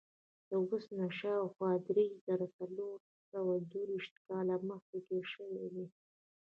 له اوس نه شاوخوا درې زره څلور سوه درویشت کاله مخکې تېر شوی دی.